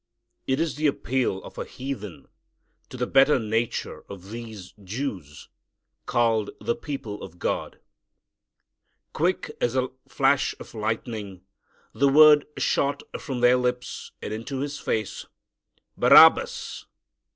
It is the appeal of a heathen to the better nature of these Jews, called the people of God. Quick as a flash of lightning the word shot from their lips and into his face, "_Barabbas!